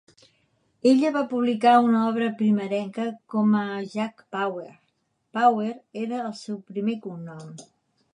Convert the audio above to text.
Ella va publicar una obra primerenca com a "Jack Power"; Power era el seu primer cognom.